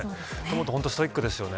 本当にストイックですね。